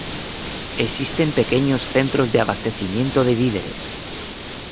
Existen pequeños centros de abastecimiento de víveres.